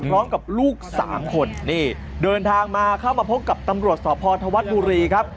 ลูกสามคนนี่เดินทางมาเข้ามาพบกับตำรวจสพธวัฒน์บุรีครับ